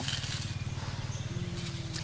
เอาเป็นว่าอ้าวแล้วท่านรู้จักแม่ชีที่ห่มผ้าสีแดงไหม